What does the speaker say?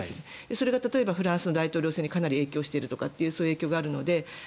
それが例えばフランスの大統領選に影響しているとか影響があるので。